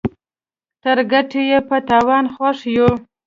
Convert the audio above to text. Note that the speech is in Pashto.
تر ګټه ئې په تاوان خوښ يو.